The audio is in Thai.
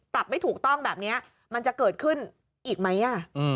ปรับไม่ถูกต้องแบบเงี้ยมันจะเกิดขึ้นอีกมั้ยอ่ะ